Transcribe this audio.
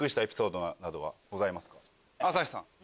朝日さん。